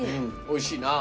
おいしいな。